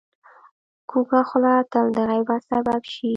کوږه خوله تل د غیبت سبب شي